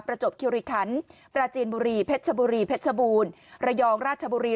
จบคิวริคันปราจีนบุรีเพชรชบุรีเพชรบูรณ์ระยองราชบุรี